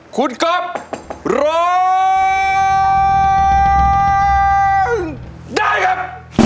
คุณก๊อฟร้องได้ครับ